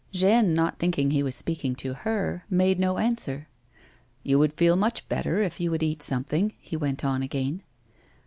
Jeanne, not thinking he was speaking to her, made no answer. " You would feel much better if you would eat something," he went on again.